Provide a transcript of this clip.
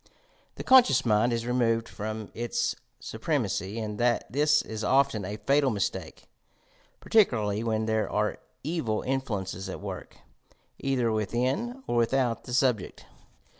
The conscious mind ia removed from its supremacy, and this is often a fatal mistake — par ticularly when there are evil influences at work, either within or without the subject.